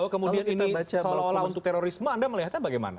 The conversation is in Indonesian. kalau kita baca